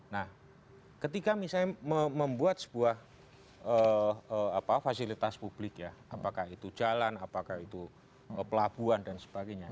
nah ketika misalnya membuat sebuah fasilitas publik ya apakah itu jalan apakah itu pelabuhan dan sebagainya